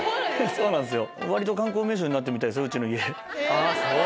そうなんすよ。